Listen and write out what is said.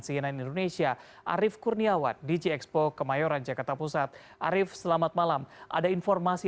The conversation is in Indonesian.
cnn indonesia arief kurniawan di gxpo kemayoran jakarta pusat arief selamat malam ada informasi